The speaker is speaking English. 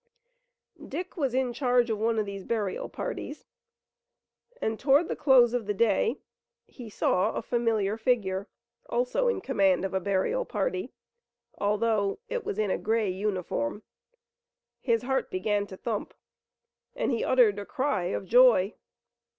Dick was in charge of one of these burial parties, and toward the close of the day he saw a familiar figure, also in command of a burial party, although it was in a gray uniform. His heart began to thump, and he uttered a cry of joy.